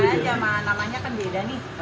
penasaran saja namanya kan beda nih